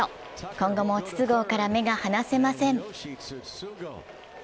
今後も筒香から目が離せません。